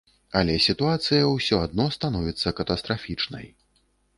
Але сітуацыя ўсё адно становіцца катастрафічнай.